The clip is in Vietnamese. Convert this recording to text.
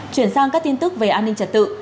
chuyển sang các tin tức về an ninh trật tự